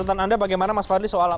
catatan anda bagaimana mas fadli soal